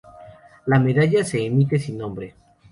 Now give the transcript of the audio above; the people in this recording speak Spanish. La medalla se emite sin nombre.